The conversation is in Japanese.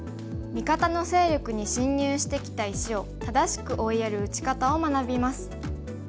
味方の勢力に侵入してきた石を正しく追いやる打ち方を学びます。